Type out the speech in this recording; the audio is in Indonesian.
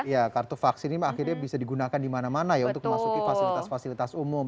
ya kartu vaksin ini akhirnya bisa digunakan di mana mana ya untuk memasuki fasilitas fasilitas umum